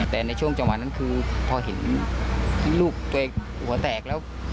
แต่ในช่วงจังหวะนั้นคือพอเห็นลูกตัวเองหัวแตกแล้ว